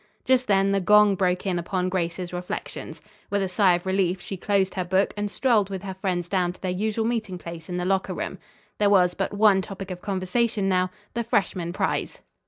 Just then the gong broke in upon Grace's reflections. With a sigh of relief she closed her book and strolled with her friends down to their usual meeting place in the locker room. There was but one topic of conversation now, the freshman prize.